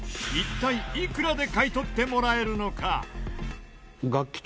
一体いくらで買い取ってもらえるのか？